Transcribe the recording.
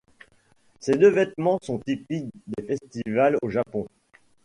Ces deux vêtements sont typiques des festivals au Japon.